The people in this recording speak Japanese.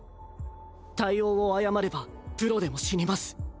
対応を誤ればプロでも死にます。